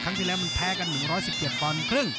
ครั้งที่แรกมันแพ้กัน๑๑๗๕ปอน